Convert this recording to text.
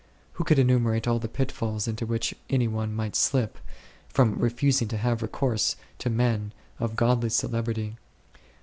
Who could enumer ate all the pitfalls into which any one might slip, from refusing to have recourse to men of godly celebrity